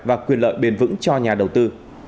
và quyền lợi bền vững cho nhà đầu tư